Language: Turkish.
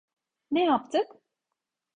Ne yaptık?